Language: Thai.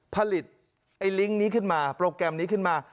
ผลิตไอ้ลิงก์นี้ขึ้นมาโปรแกรมนี้ขึ้นมา